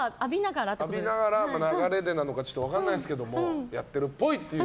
浴びながら流れでなのかは分からないですけどやってるっぽいという。